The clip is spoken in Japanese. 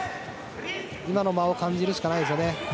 今の間を感じるしかないですね。